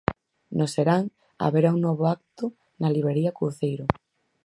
No serán, haberá un novo acto na Libraría Couceiro.